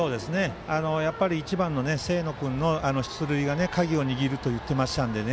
やっぱり１番の清野君の出塁が鍵を握ると言っていましたのでね。